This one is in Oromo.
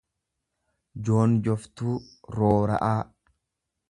joonjoftuu, roora'aa.